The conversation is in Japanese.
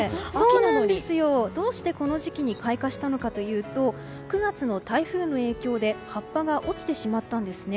どうしてこの時期に開花したのかというと９月の台風の影響で葉っぱが落ちてしまったんですね。